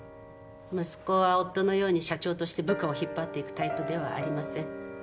息子は夫のように社長として部下を引っ張っていくタイプではありません。